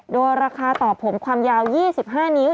โดยราคาต่อผมความยาว๒๕นิ้ว